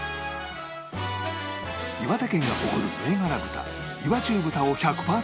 岩手県が誇る銘柄豚岩中豚を１００パーセント使用